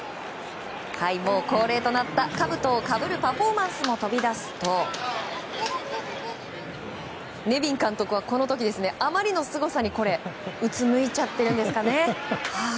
恒例となったかぶとをかぶるパフォーマンスも飛び出すとネビン監督は、この時あまりのすごさにうつむいちゃってるんですかね。